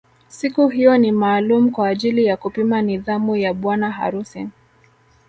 Siku hiyo ni maalum kwa ajili ya kupima nidhamu ya bwana harusi